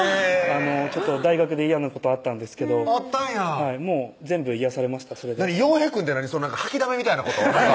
ちょっと大学で嫌なことあったんですけどあったんやもう全部癒やされましたそれでヨウヘイくんって掃きだめみたいなこと？